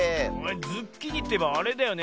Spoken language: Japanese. ズッキーニっていえばあれだよね。